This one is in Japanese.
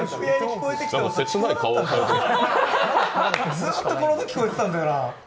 ずっとこの音聞こえてたんだよな。